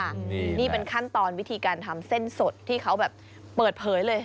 นี่เป็นขั้นตอนวิธีการทำเส้นสดที่เขาแบบเปิดเผยเลย